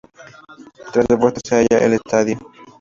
Tras el fuerte se halla el estadio.